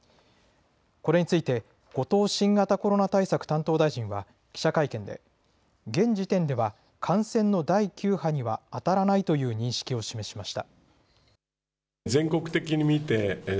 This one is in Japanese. これについて後藤新型コロナ対策担当大臣は記者会見で現時点では感染の第９波にはあたらないという認識を示しました。